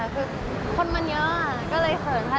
คือคนมันเยอะก็เลยเขินค่ะ